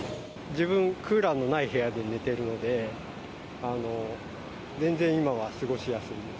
自分、クーラーのない部屋で寝てるので、全然今は過ごしやすいです。